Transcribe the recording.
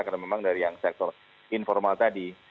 karena memang dari yang sektor informal tadi